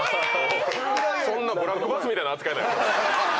そんなブラックバスみたいな扱いなんや。